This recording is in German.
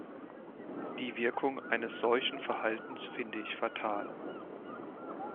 Die Wirkung eines solchen Verhaltens finde ich fatal.